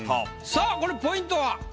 さあこれポイントは？